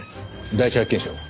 第一発見者は？